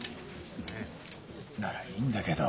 ならいいんだけど。